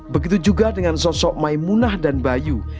begitu juga dengan sosok maimunah dan bayu